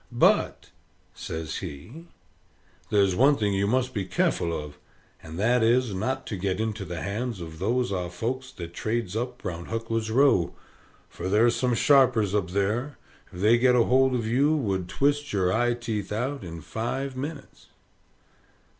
But," says he, "there's one thing you must be careful of; and that is, not to get into the hands of those are folks that trades up round Huckler's Row, for ther's some sharpers up there, if they get hold of you, would twist your eye teeth out in five minits."